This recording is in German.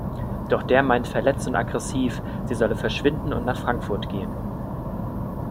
Doch der meint verletzt und aggressiv, sie solle verschwinden und nach Frankfurt gehen.